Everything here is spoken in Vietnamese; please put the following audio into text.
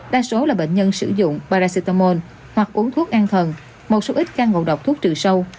đa số là bệnh nhân sử dụng paracetamol hoặc uống thuốc an thần một số ít ca ngộ độc thuốc trừ sâu